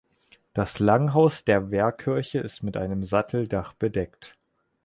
Das Langhaus der Wehrkirche ist mit einem Satteldach bedeckt.